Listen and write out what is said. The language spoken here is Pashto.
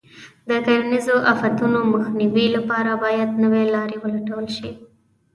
د کرنیزو آفتونو مخنیوي لپاره باید نوې لارې ولټول شي.